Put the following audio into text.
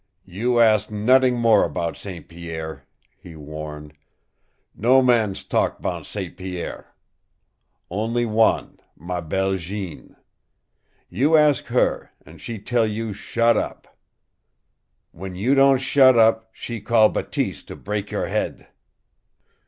"You ask not'ing more about St. Pierre," he warned. "No mans talk 'bout St. Pierre. Only wan MA BELLE Jeanne. You ask her, an' she tell you shut up. W'en you don't shut up she call Bateese to brak your head."